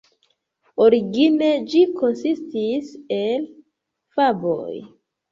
Origine, ĝi konsistis el faboj.